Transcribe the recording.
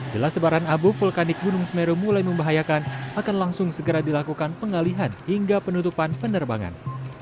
bila sebaran abu vulkanik gunung semeru mulai membahayakan akan langsung segera dilakukan pengalihan hingga penutupan penerbangan